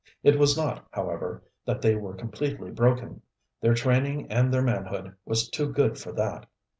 It was not, however, that they were completely broken. Their training and their manhood was too good for that.